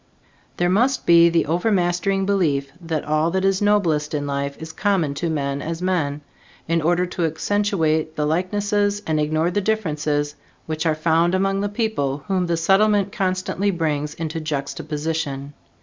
There must be the overmastering belief that all that is noblest in life is common to men as men, in order to accentuate the likenesses and ignore the differences which are found among the people whom the Settlement constantly brings into juxtaposition.